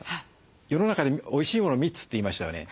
世の中でおいしいもの３つって言いましたよね。